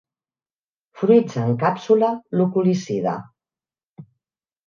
Fruits en càpsula loculicida.